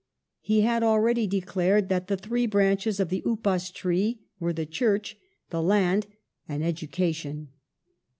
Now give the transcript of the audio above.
He had already declared that the three branches of the *' upas tree " were the Church, the land, and education.